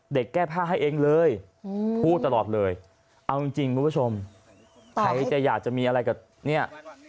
แก้ผ้าให้เองเลยพูดตลอดเลยเอาจริงคุณผู้ชมใครจะอยากจะมีอะไรกับเนี่ย